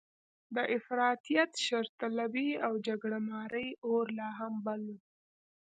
د افراطیت، شرطلبۍ او جګړه مارۍ اور لا هم بل و.